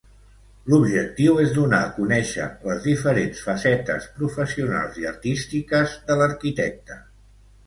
L'objectiu és donar a conèixer les diferents facetes professionals i artístiques de l'arquitecte.